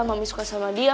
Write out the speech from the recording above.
mami suka sama dia